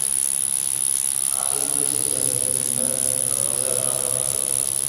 Aceite esencial se destila de la madera, ramas y hojas.